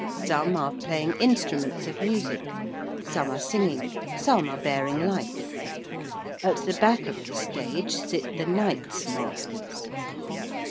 Some are playing instruments of music; some are singing: some are bearing lights: at the back of the stage sit the 'Knights masquers.'